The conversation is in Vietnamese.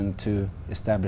rất quan trọng